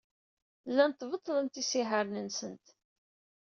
Llant beṭṭlent isihaṛen-nsent.